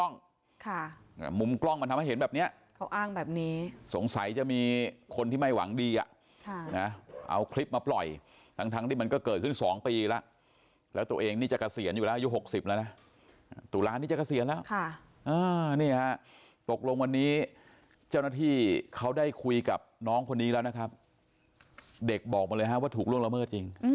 น้องคนนี้น่ะครับเด็กบอกเลยว่าถูกเรื่องละเมิด